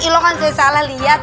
lo kan saya salah liat